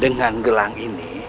dengan gelang ini